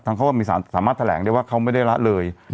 ทั้งเขาว่ามีสารสามารถแถลงได้ว่าเขาไม่ได้รักเลย